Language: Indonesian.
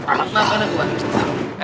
maafin aku bang